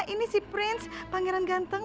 ini si prince pangeran ganteng